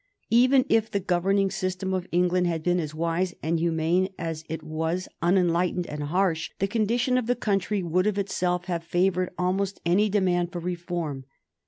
Even if the governing system of England had been as wise and humane as it was unenlightened and harsh, the condition of the country would, of itself, have favored almost any demand for reform.